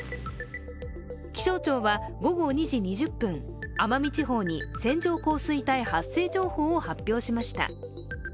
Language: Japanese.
気象庁は午後２時２０分奄美地方に線状降水帯発生情報を発表しました。